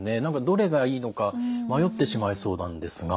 どれがいいのか迷ってしまいそうなんですが。